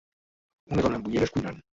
Una dona amb ulleres cuinant.